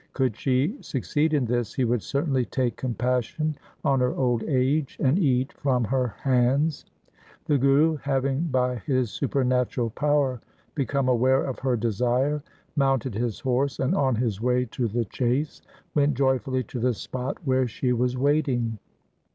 Could she succeed in this, he would certainly take compassion on her old age and eat from her hands. The Guru, having by his supernatural power become aware of her desire, mounted his horse, and on his way to the chase, went joyfully to the spot where she was waiting.